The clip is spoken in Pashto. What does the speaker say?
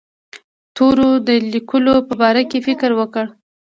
تورو د لیکلو په باره کې فکر وکړ.